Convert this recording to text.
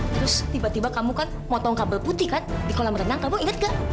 terus tiba tiba kamu kan motong kabel putih kan di kolam renang kamu inget gak